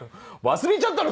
忘れちゃったの？